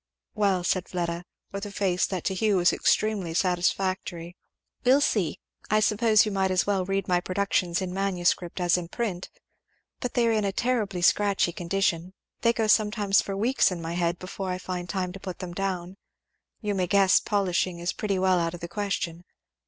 "Well," said Fleda with a face that to Hugh was extremely satisfactory, "we'll see I suppose you might as well read my productions in manuscript as in print. But they are in a terribly scratchy condition they go sometimes for weeks in my head before I find time to put them down you may guess polishing is pretty well out of the question.